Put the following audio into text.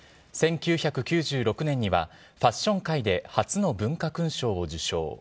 １９９６年にはファッション界で初の文化勲章を受章。